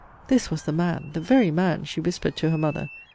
This was the man! the very man! she whispered to her mother.